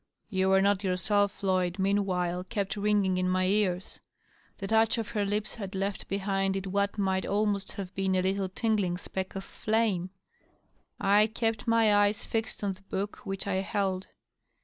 ^ You are not yourself , Floyd/ meanwhile kept ringing in my ears. The touch of her lips had left behind it what might almost have been a little tingling speck of flame. I kept my eyes fixed on the book which I held.